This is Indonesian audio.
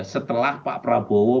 setelah pak prabowo